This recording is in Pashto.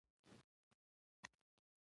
باسواده نجونې د تیاتر په برخه کې کار کوي.